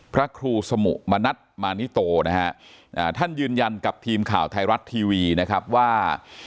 พระครูสมุมณัฐมานิโตนะฮะท่านยืนยันกับทีมข่าวไทยรัฐทีวีนะครับว่า